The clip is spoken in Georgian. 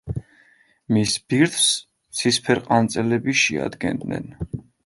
მის ბირთვს ცისფერყანწელები შეადგენდნენ.